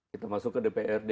kita masuk ke dprd